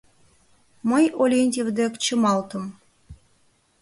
Мый Олентьев дек чымалтым.